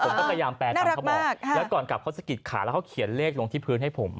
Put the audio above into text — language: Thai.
ผมก็พยายามแปลตามเขาบอกแล้วก่อนกลับเขาสะกิดขาแล้วเขาเขียนเลขลงที่พื้นให้ผม